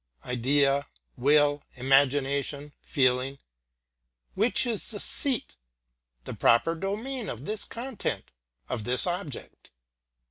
Idea, will, imagination, feeling which is the seat, the proper domain of this content, of this object?